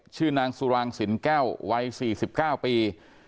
ชื่อนางสุรางสินแก้ววัยสี่สิบเก้าปี